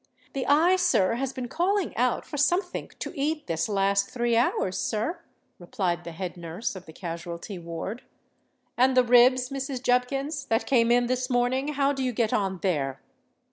"The Eye, sir, has been calling out for somethink to eat this last three hours, sir," replied the head nurse of the Casualty Ward. "And the Ribs, Mrs. Jubkins, that came in this morning—how do you get on there?"